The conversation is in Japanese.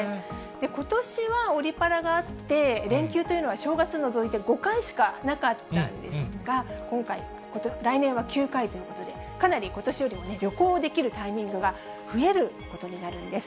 ことしはオリパラがあって、連休というのは正月のぞいて５回しかなかったんですが、来年は９回ということで、かなりことしよりも旅行できるタイミングが増えることになるんです。